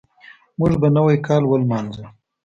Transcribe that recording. موږ به نوی کال ولمانځو.